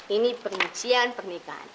ini perincian pernikahan